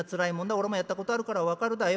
おらもやったことあるから分かるだよ。